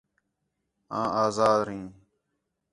آں آزار ھیں